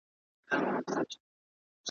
نه مي لاس د چا په وینو دی لړلی `